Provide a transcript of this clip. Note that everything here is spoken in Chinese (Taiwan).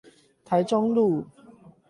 台中路